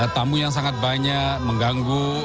tamu yang sangat banyak mengganggu